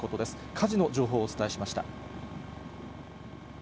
火事の情報をお伝えしました。